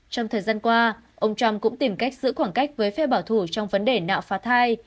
trong thời gian qua ông trump cũng tìm cách giữ khoảng cách với phe bảo thủ trong vấn đề nạo phá thai